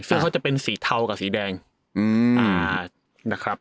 เชื่ออาจจะเป็นสีเทากับสีแดงอืมนะครับ